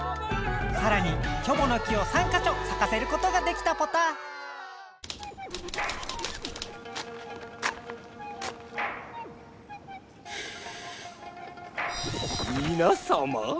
さらにキョボの木を３かしょさかせることができたポタみなさま！